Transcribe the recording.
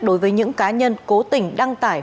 đối với những cá nhân cố tình đăng tải